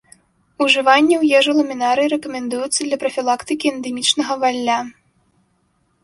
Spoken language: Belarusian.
Ужыванне ў ежу ламінарыі рэкамендуецца для прафілактыкі эндэмічнага валля.